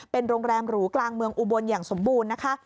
เป็นโรงแรมหรูกลางเมืองอุบลอย่างสมบูรณ์นะคะ